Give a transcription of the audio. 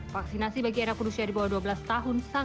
vaksinasi bagi anak berusia di bawah dua belas tahun